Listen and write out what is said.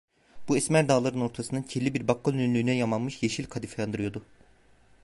Bu esmer dağların ortasında, kirli bir bakkal önlüğüne yamanmış yeşil kadifeyi andırıyordu.